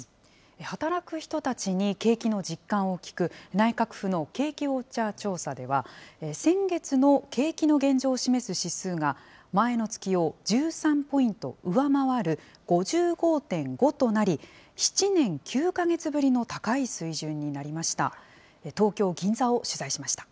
働く人たちに景気の実感を聞く内閣府の景気ウォッチャー調査では、先月の景気の現状を示す指数が、前の月を１３ポイント上回る５５．５となり、７年９か月ぶりの高い水準になりました。